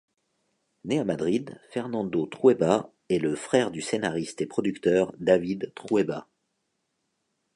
Né à Madrid, Fernando Trueba est le frère du scénariste et producteur David Trueba.